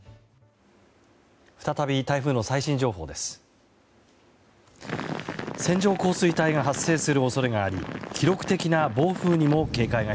再び台風の最新情報です。